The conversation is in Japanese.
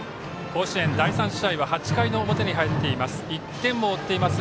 甲子園第３試合は、８回の表に入っています。